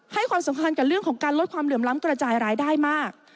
ความสำคัญกับเรื่องของการลดความเหลื่อมล้ำกระจายรายได้มาก